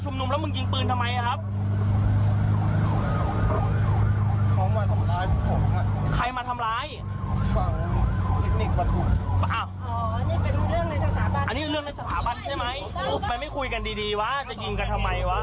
จะยิงก่อนทำไมวะ